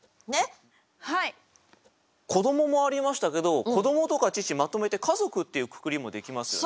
「子ども」もありましたけど「子ども」とか「父」まとめて「家族」っていうくくりもできますよね。